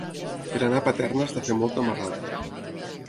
Per anar a Paterna has de fer molta marrada.